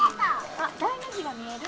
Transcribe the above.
あっ大の字が見える？